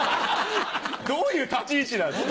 どういう立ち位置なんですか？